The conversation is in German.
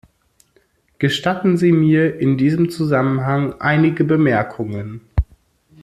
Gestatten Sie mir in diesem Zusammenhang einige Bemerkungen.